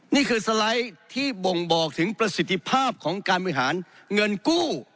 นี่คือสไลด์ที่บ่งบอกถึงประสิทธิภาพของการบริหารเงินกู้